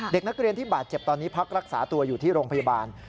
เด็กนักเรียนที่บาดเจ็บตอนนี้พักรักษาตัวอยู่ที่โรงพยาบาล